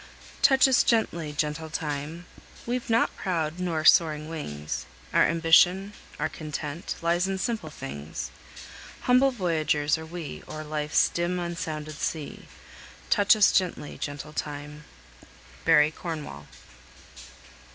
"Touch us gently, gentle Time! We've not proud nor soaring wings, Our ambition, our content, Lies in simple things; Humble voyagers are we O'er life's dim unsounded sea; Touch us gently, gentle Time!" BARRY CORNWALL.